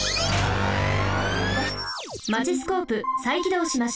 マチスコープさいきどうしました。